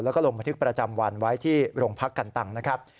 แล้วก็ลงบันทึกประจำวันไว้ที่โรงพักกันตังนะครับ